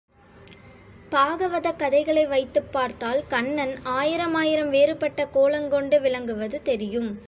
பாகவதக் கதைகளை வைத்துப் பார்த்தால் கண்ணன் ஆயிரமாயிரம் வேறுபட்ட கோலங் கொண்டு விளங்குவது தெரியும்.